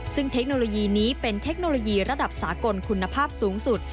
ซึ่งเทคโนโลยีนี้เป็นเทคโนโลยีระดับสากลคุณภาพสูงสุด